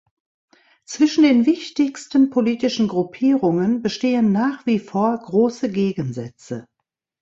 Zwischen den wichtigsten politischen Gruppierungen bestehen nach wie vor große Gegensätze.